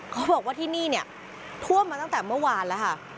เขาบอกว่าที่นี่เนี่ยท่วมมาตั้งแต่เมื่อวานแล้วค่ะ